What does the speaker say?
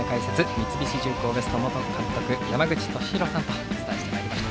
三菱重工Ｗｅｓｔの元監督、山口敏弘さんとお伝えしてまいりました。